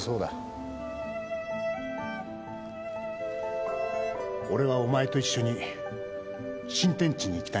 俺はお前と一緒に新天地に行きたいんだ。